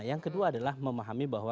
yang kedua adalah memahami bahwa